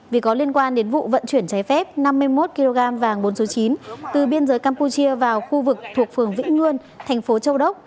vì có liên quan đến vụ vận chuyển trái phép năm mươi một kg vàng bốn số chín từ biên giới campuchia vào khu vực thuộc phường vĩnh nhuôn thành phố châu đốc